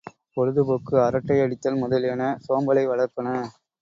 பொழுது போக்கு அரட்டை அடித்தல் முதலியன சோம்பலை வளர்ப்பன.